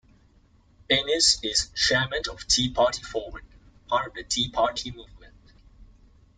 Innis is chairman of Tea Party Forward, part of the Tea Party movement.